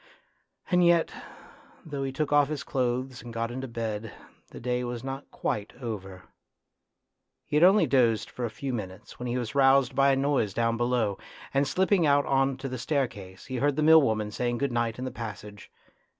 And yet though he took off his clothes and got into bed, the day was not quite over. He had only dozed for a few minutes when he was roused by a noise down below, and slip ping out on to the staircase he heard the mill worn an saying good night in the passage.